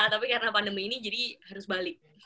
tapi karena pandemi ini jadi harus balik